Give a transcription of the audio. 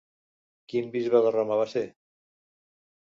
Quin bisbe de Roma va ser?